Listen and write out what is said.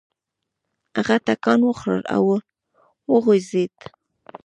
هغه ټکان وخوړ او وخوځېد.